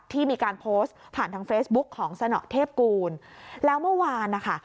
ที่มีการโพสต์ผ่านทางเฟซบุ๊กของสนเทพกูลแล้วเมื่อวานนะคะ